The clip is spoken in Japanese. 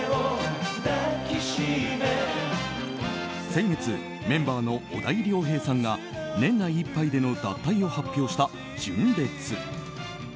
先月、メンバーの小田井涼平さんが年内いっぱいでの脱退を発表した純烈。